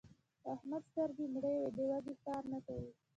د احمد سترګې مړې دي؛ د وږي کار نه کوي.